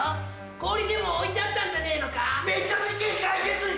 氷でも置いてあったんじゃねえのか？